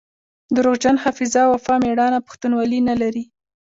دروغجن حافظه وفا ميړانه پښتونولي نلري